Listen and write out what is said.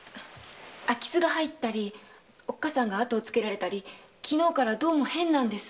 空き巣が入ったり母が後をつけられたり昨日からどうも変なんです。